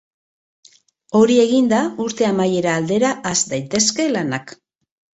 Hori eginda, urte amaiera aldera has daitezke lanak.